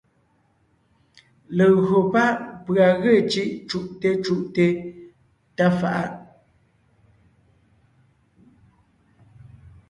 Legÿo pá’ pʉ̀a ge cʉ́’ cú’te cú’te tá fa’a,